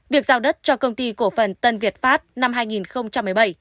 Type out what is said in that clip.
việc giao đất cho công ty cổ phần tân việt pháp năm hai nghìn một mươi bảy